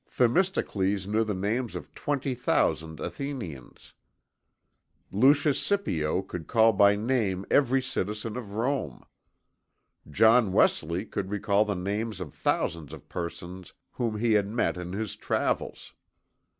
Themistocles knew the names of 20,000 Athenians. Lucius Scipio could call by name every citizen of Rome. John Wesley could recall the names of thousands of persons whom he had met in his travels.